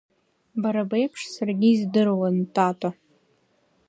Бара беиԥш, саргьы издыруан, Тата…